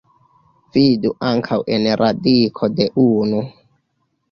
Vidu ankaŭ en radiko de unu.